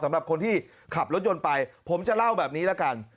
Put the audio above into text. สำหรับคนที่ขับรถยนต์ไปผมจะเล่าแบบนี้ละกัน